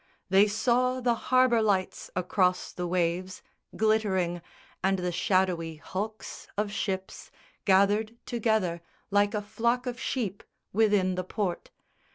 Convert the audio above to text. They saw the harbour lights across the waves Glittering, and the shadowy hulks of ships Gathered together like a flock of sheep Within the port.